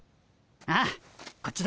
ああこっちだ。